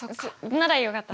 ならよかった。